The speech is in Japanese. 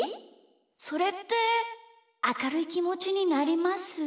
それってあかるいきもちになります？